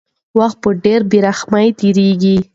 وخت په ډېرې بې رحمۍ تېرېږي.